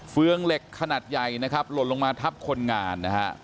เฟืองเหล็กขนาดใหญ่นะครับหล่นลงมาทับคนงานนะฮะ